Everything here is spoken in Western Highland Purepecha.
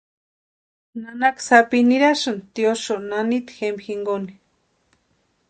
Nanaka sapi nirasïnti tiosïo nanita jempa jinkoni.